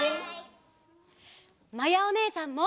まやおねえさんも！